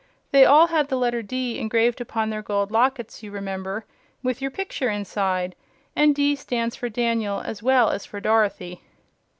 They all had the letter 'D' engraved upon their gold lockets, you remember, with your picture inside, and 'D' stands for Daniel as well as for Dorothy."